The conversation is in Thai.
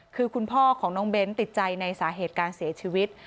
คือคุณพ่อของน้องเบ้นติดใจในสาเหตุการเสียชีวิต